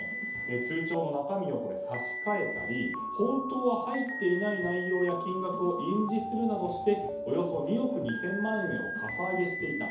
通帳の中身を差し替えたり本当は入っていない内容や金額を印字するなどしておよそ２億２０００万円をかさ上げしていた。